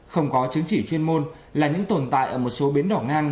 không có chứng chỉ chuyên môn là những tồn tại ở một số bến đỏ ngang